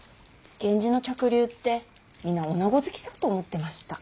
源氏の嫡流って皆女子好きだと思ってました。